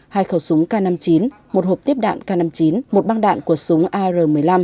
hai khẩu súng k năm mươi chín một hộp tiếp đạn k năm mươi chín một băng đạn của súng ar một mươi năm